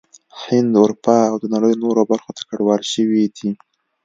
هند، اروپا او د نړۍ نورو برخو ته کډوال شوي دي